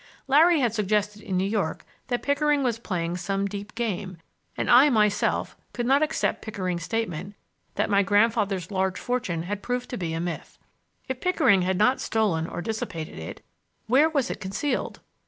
Larry had suggested in New York that Pickering was playing some deep game, and I, myself, could not accept Pickering's statement that my grandfather's large fortune had proved to be a myth. If Pickering had not stolen or dissipated it, where was it concealed?